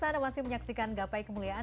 pak wirsa ada masih menyaksikan gapai kemuliaan